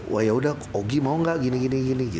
wah yaudah ogi mau gak gini gini